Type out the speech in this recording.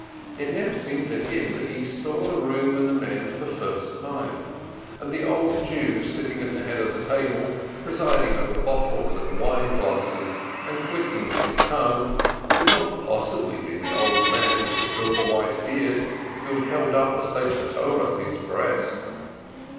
It now seemed to him that he saw the room and the men for the first time, and the old Jew sitting at the head of the table, presiding over bottles and wine glasses, and clicking with his tongue, could not possibly be the old man with the silver white beard who had held the scroll of the Law to his breast.